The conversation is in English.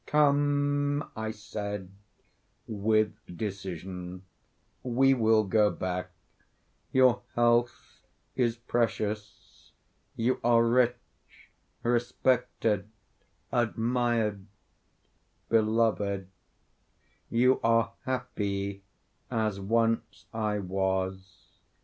"Come," I said, with decision, "we will go back; your health is precious. You are rich, respected, admired, beloved; you are happy, as once I was.